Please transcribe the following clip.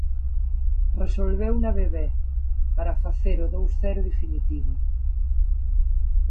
Resolveuna Bebé para facer o dous cero definitivo.